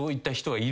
いる！？